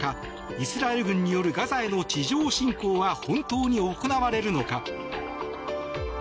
イスラエル軍によるガザへの地上侵攻は本当に行われるのか。